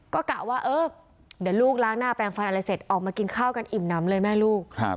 ก็กะว่าเออเดี๋ยวลูกล้างหน้าแปลงฟันอะไรเสร็จออกมากินข้าวกันอิ่มน้ำเลยแม่ลูก